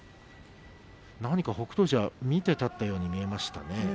何か、北勝富士は見て立ったように見えましたね。